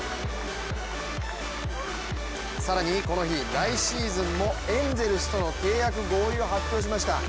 更にこの日、来シーズンもエンゼルスとの契約合意を発表しました。